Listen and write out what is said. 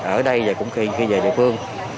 ở đây và cũng khi về địa phương